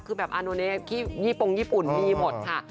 คือแบบอาโนเนสยี่ปงญี่ปุ่นมีหมดค่ะ